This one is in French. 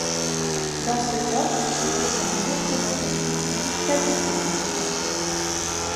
Dans ce corps, il devient lieutenant puis capitaine.